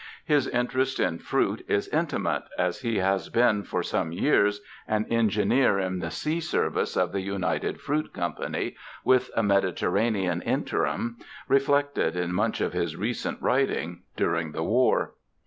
His interest in fruit is intimate, as he has been for some years an engineer in the sea service of the United Fruit Company, with a Mediterranean interim reflected in much of his recent writing during the War.